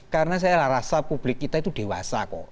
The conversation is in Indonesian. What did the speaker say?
karena saya rasa publik kita itu dewasa kok